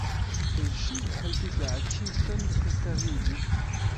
Kaj ŝi helpis la Hakiston restariĝi.